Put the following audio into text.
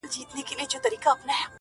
ته زموږ زړونه را سپين غوندي کړه.